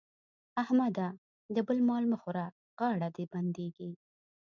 احمده! د بل مال مه خوره غاړه دې بندېږي.